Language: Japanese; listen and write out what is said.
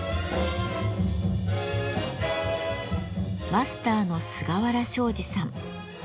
マスターの菅原正二さん。